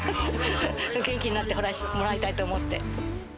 元気になってもらいたいと思って。